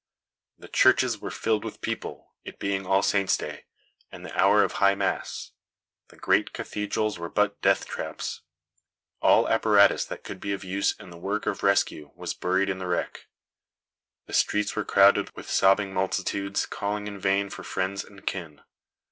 The churches were filled with people, it being All Saints' Day, and the hour of high mass. The great cathedrals were but death traps. All apparatus that could be of use in the work of rescue was buried in the wreck. The streets were crowded with sobbing multitudes, calling in vain for friends and kin.